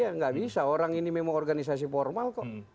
ya nggak bisa orang ini memang organisasi formal kok